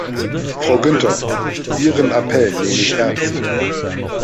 Frau Günther, Ihren Appell nehme ich ernst.